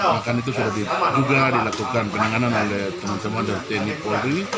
bahkan itu sudah juga dilakukan penanganan oleh teman teman dari tni polri